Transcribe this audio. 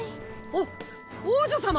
お王女様